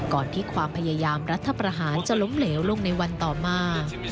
ก่อนที่ความพยายามรัฐประหารจะล้มเหลวลงในวันต่อมา